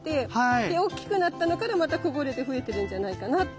でおっきくなったのからまたこぼれて増えてるんじゃないかなと。